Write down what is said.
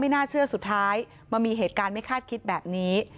น่าเชื่อสุดท้ายมันมีเหตุการณ์ไม่คาดคิดแบบนี้